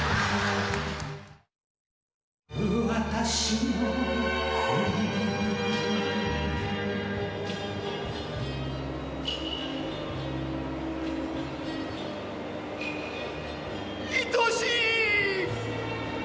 いとしい！